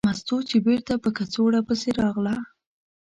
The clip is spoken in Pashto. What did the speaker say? مستو چې بېرته په کڅوړه پسې راغله.